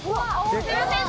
すいません